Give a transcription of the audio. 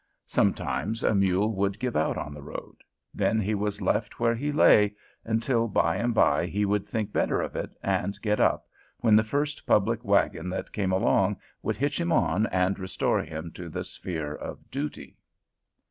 Sometimes a mule would give out on the road; then he was left where he lay, until by and by he would think better of it, and get up, when the first public wagon that came along would hitch him on, and restore him to the sphere of duty.